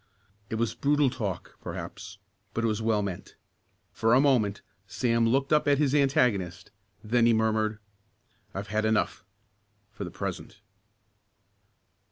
It was brutal talk, perhaps, but it was well meant. For a moment Sam looked up at his antagonist. Then he murmured: "I've had enough for the present."